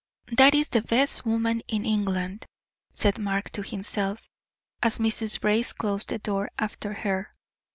"That is the best woman in England," said Mark to himself, as Mrs. Brace closed the door after her.